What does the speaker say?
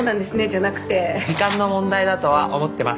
じゃなくて時間の問題だとは思ってます